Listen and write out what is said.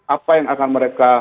apa yang akan mereka